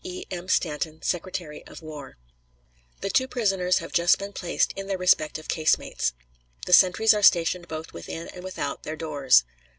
E. M. STANTON, Secretary of War: The two prisoners have just been placed in their respective casemates. The sentries are stationed both within and without their doors.